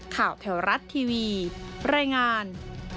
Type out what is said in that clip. ข่าวแถวรัฐทีวีรายงาน